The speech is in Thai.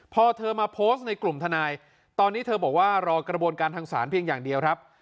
พอเธอมาโพสต์ในกลุ่มทนายตอนนี้เธอบอกว่ารอกระบวนการทางศาลเพียงอย่างเดียวครับ